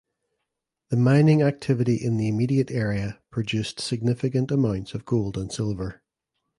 The mining activity in the immediate area produced significant amounts of gold and silver.